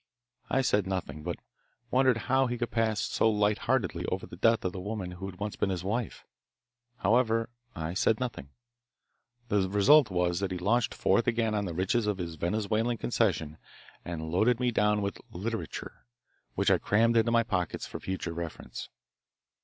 I said nothing, but wondered how he could pass so lightheartedly over the death of the woman who had once been his wife. However, I said nothing. The result was he launched forth again on the riches of his Venezuelan concession and loaded me down with "literature," which I crammed into my pocket for future reference.